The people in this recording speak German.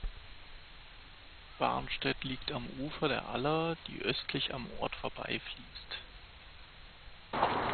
Barnstedt liegt am Ufer der Aller, die östlich am Ort vorbeifließt.